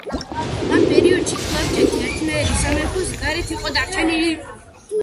ამ პერიოდში კლარჯეთი ერთიანი სამეფოს გარეთ იყო დარჩენილი.